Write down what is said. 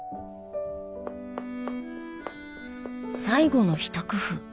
最後の一工夫。